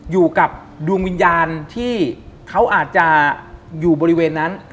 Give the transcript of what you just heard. อยู่กับดวงวิญญาณที่เขาอาจจะอยู่บริเวณนั้น